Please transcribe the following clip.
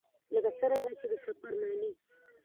ـ لکه څرنګه چې د سفر نامې